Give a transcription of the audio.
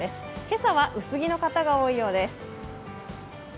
今朝は薄着の方が多いようです。